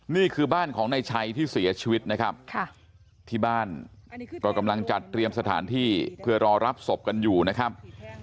นี่คือบ้านของนายชัยที่เสียชีวิตนะครับที่บ้านก็กำลังจัดเตรียมสถานที่เพื่อรอรับศพกันอยู่นะครับ